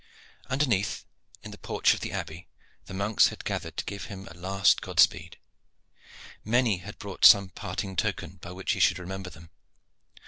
Underneath, in the porch of the Abbey, the monks had gathered to give him a last God speed. Many had brought some parting token by which he should remember them.